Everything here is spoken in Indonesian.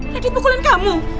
radit mukulin kamu